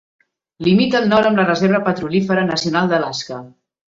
Limita al nord amb la Reserva Petrolífera Nacional d"Alaska.